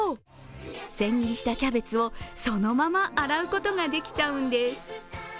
千切りしたキャベツをそのまま洗うことができちゃうんです。